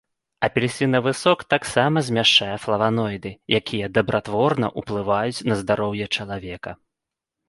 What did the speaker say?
Апельсінавы сок таксама змяшчае флаваноіды, якія дабратворна ўплываюць на здароўе чалавека.